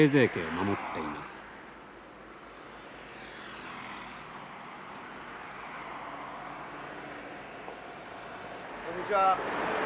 あっこんにちは。